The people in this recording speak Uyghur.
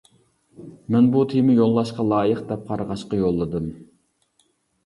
مەن بۇ تېمى يوللاشقا لايىق دەپ قارىغاچقا يوللىدىم.